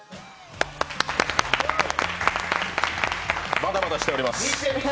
まだまだしております。